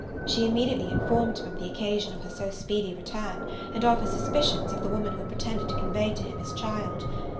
She immediately informed him of the occasion of her so speedy return, and of her suspicions of the woman who had pretended to convey to him his child.